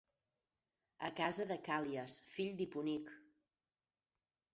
A casa de Càl·lias fill d'Hiponic.